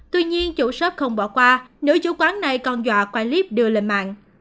tuy nhiên chủ shop không bỏ qua nếu chủ quán này còn dọa quay clip đưa lên mạng